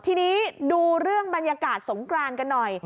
ทีนี้ดูเรื่องบรรยากาศสงกรานกันหน่อย